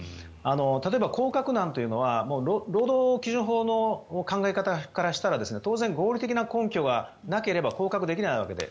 例えば降格なんていうのは労働基準法の考え方からしたら当然合理的な根拠がなければ降格できないわけで。